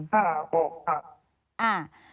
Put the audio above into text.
ค่ะบอกค่ะ